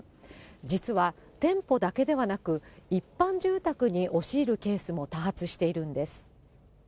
実は、店舗だけではなく、一般住宅に押し入るケースも多発しているんです。